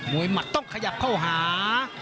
หมัดต้องขยับเข้าหา